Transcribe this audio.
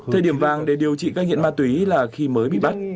thời điểm vàng để điều trị cai nghiện ma túy là khi mới bị bắt